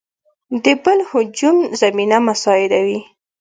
د بل هجوم زمینه مساعد وي.